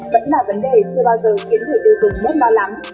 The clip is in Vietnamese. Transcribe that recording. vẫn là vấn đề chưa bao giờ khiến người tiêu dùng bớt lo lắng